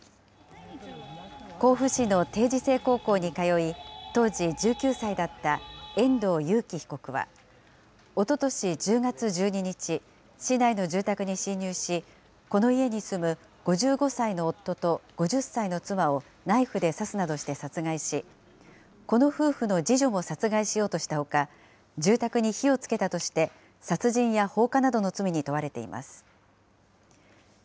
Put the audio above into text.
甲府市の定時制高校に通い、当時１９歳だった遠藤裕喜被告は、おととし１０月１２日、市内の住宅に侵入し、この家に住む５５歳の夫と５０歳の妻をナイフで刺すなどして殺害し、この夫婦の次女も殺害しようとしたほか、住宅に火をつけたとして、殺人や放火などの罪に問われています。